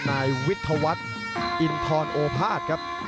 นายวิทยาวัฒน์อินทรโอภาษย์ครับ